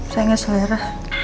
saya ga selera